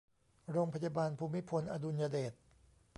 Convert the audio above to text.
โรงพยาบาลภูมิพลอดุลยเดช